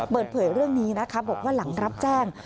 เปิดเผยเรื่องนี้นะคะบอกว่าหลังรับแจ้ง